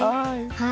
はい！